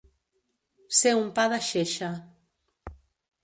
Ser un pa de xeixa.